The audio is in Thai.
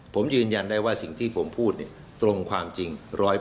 ผมยืนยันได้ว่าสิ่งที่ผมพูดตรงความจริง๑๐๐